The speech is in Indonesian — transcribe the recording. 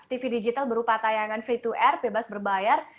tv digital berupa tayangan free to air bebas berbayar